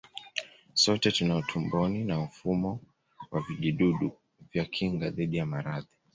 Sote tunao tumboni na mfumo wa vijidudu vya kinga dhidi ya maradhi